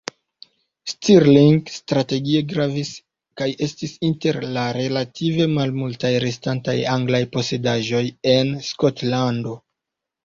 Stirling strategie gravis kaj estis inter la relative malmultaj restantaj anglaj posedaĵoj en Skotlando.